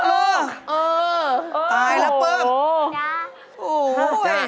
ลูกตายแล้วปื๊บนะนะ